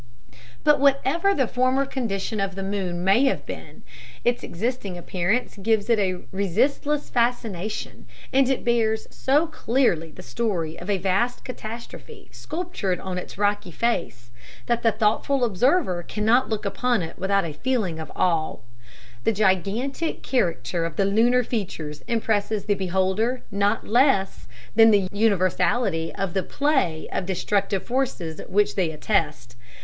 ] But whatever the former condition of the moon may have been, its existing appearance gives it a resistless fascination, and it bears so clearly the story of a vast catastrophe sculptured on its rocky face that the thoughtful observer cannot look upon it without a feeling of awe. The gigantic character of the lunar features impresses the beholder not less than the universality of the play of destructive forces which they attest.